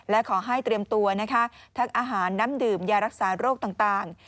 และขอให้เตรียมตัวนะคะทั้งอาหารน้ำดื่มยารักษาโรคต่าง